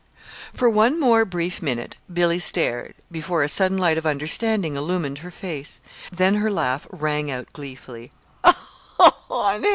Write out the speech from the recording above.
For one more brief minute Billy stared, before a sudden light of understanding illumined her face. Then her laugh rang out gleefully.